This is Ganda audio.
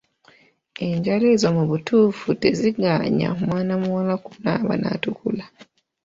Enjala ezo mu butuufu teziganya mwana muwala kunaaba n’atukula!